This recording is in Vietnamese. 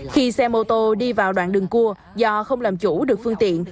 khi xe mô tô đi vào đoạn đường cua do không làm chủ được phương tiện